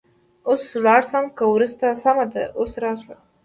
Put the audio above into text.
اوس ولاړه شم که وروسته؟ سمه ده، اوس ورشه.